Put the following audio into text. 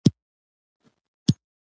زردالو د کلسیم لرونکی ده.